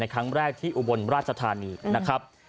ครั้งแรกที่อุบลราชธานีนะครับ